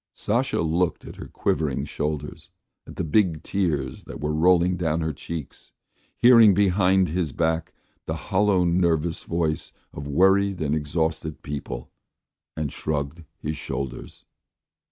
Sasha looked at her quivering shoulders, at the big tears that were rolling down her cheeks, heard behind his back the hollow, nervous voices of worried and exhausted people, and shrugged his shoulders.